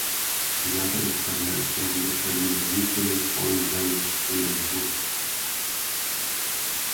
Я предоставляю слово господину Михелю фон дер Шуленбургу.